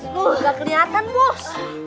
tuh gak kelihatan bos